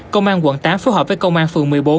công an quận tám phối hợp với công an phường một mươi bốn